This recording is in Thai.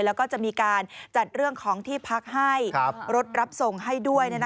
แล้วก็จะมีการจัดเรื่องของที่พักให้รถรับส่งให้ด้วย